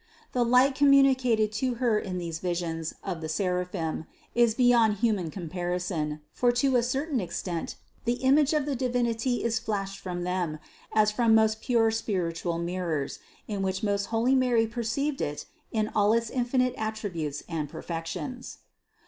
The light communicated to Her in these visions of the seraphim is beyond human compar ison ; for to a certain extent the image of the Divinity is flashed from them, as from most pure spiritual mirrors, in which most holy Mary perceived it in all its infinite at tributes and perfections.